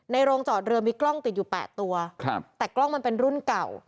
โรงจอดเรือมีกล้องติดอยู่แปดตัวครับแต่กล้องมันเป็นรุ่นเก่า